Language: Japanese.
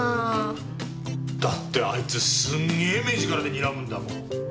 だってあいつすんげえ目力で睨むんだもん。